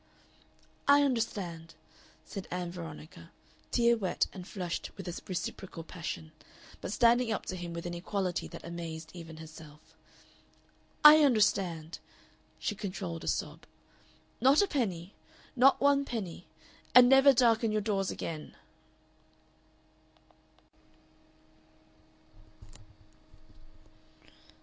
"I understand," said Ann Veronica, tear wet and flushed with a reciprocal passion, but standing up to him with an equality that amazed even herself, "I understand." She controlled a sob. "Not a penny not one penny and never darken your doors again!"